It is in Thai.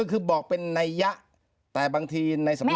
คือบอกเป็นนัยยะแต่บางทีในสำนวน